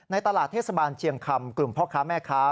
ตลาดเทศบาลเชียงคำกลุ่มพ่อค้าแม่ค้า